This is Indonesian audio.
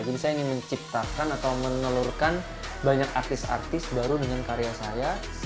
jadi saya ingin menciptakan atau menelurkan banyak artis artis baru dengan karya saya